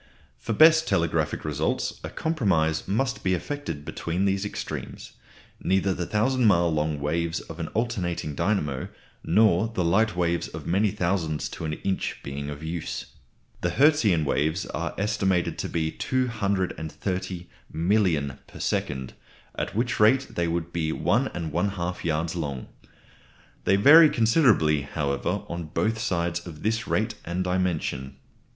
For best telegraphic results a compromise must be effected between these extremes, neither the thousand mile long waves of an alternating dynamo nor the light waves of many thousands to an inch being of use. The Hertzian waves are estimated to be 230,000,000 per second; at which rate they would be 1 1/2 yards long. They vary considerably, however, on both sides of this rate and dimension.